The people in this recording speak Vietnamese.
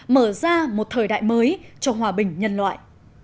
mở ra một thời đại mới cho hòa bình nhân loại